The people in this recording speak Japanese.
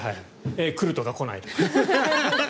来るとか、来ないとか。